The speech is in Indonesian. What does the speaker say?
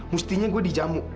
mustinya gue dijamu